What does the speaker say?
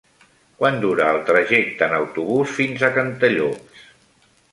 Quant dura el trajecte en autobús fins a Cantallops?